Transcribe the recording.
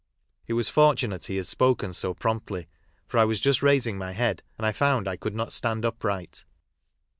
It was fortunate he had spoken so promptly, for I was just raising my head, and I found I could not stand upright.